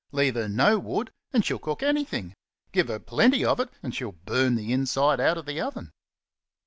leave her no wood, and she'll cook anything; give her plenty of it and she'll burn the inside out of the oven.